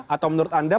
atau menurut anda